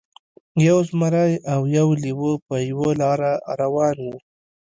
یو زمری او یو لیوه په یوه لاره روان وو.